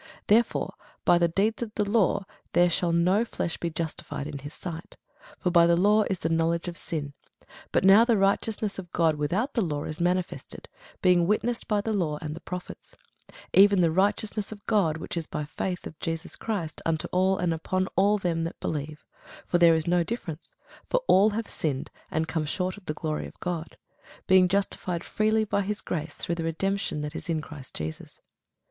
Therefore by the deeds of the law there shall no flesh be justified in his sight: for by the law is the knowledge of sin. But now the righteousness of God without the law is manifested, being witnessed by the law and the prophets; even the righteousness of God which is by faith of Jesus Christ unto all and upon all them that believe: for there is no difference: for all have sinned, and come short of the glory of God; being justified freely by his grace through the redemption that is in Christ Jesus.